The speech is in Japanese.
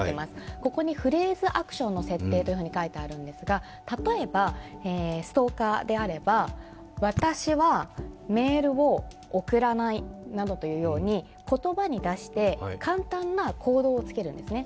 ここにフレーズ・アクションの設定と書いてあるんですが例えば、ストーカーであれば、「私はメールを送らない」などというように言葉に出して、簡単な行動をつけるんですね。